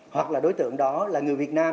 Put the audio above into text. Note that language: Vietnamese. hoặc là đối tượng đó là người việt nam